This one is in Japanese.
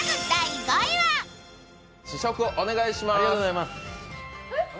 試食をお願いします。